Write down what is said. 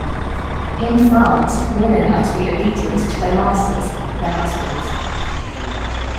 In France, women are to be obedient to their masters, their husbands.